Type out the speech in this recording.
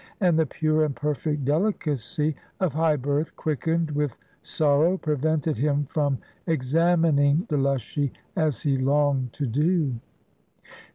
And the pure and perfect delicacy of high birth quickened with sorrow prevented him from examining Delushy, as he longed to do.